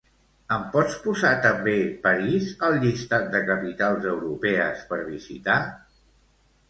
Em pots posar també París al llistat de capitals europees per visitar?